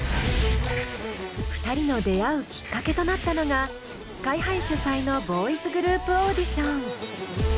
２人の出会うきっかけとなったのがＳＫＹ−ＨＩ主催のボーイズグループオーディション。